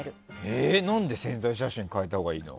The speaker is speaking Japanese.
えー、何で宣材写真変えたほうがいいの？